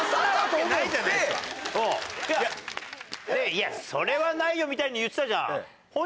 「いやそれはないよ」みたいに言ってたじゃん。